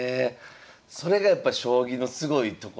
それがやっぱ将棋のすごいところですよね。